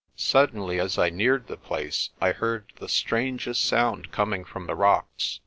Suddenly, as I neared the place, I heard the strangest sound coming from the rocks.